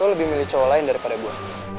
lo lebih milih cowok lain daripada buah